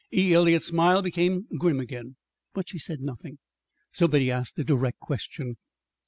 E. Eliot's smile became grim again, but she said nothing, so Betty asked a direct question.